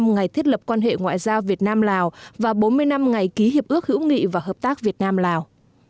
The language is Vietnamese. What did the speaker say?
năm ngày thiết lập quan hệ ngoại giao việt nam lào và bốn mươi năm ngày ký hiệp ước hữu nghị và hợp tác việt nam lào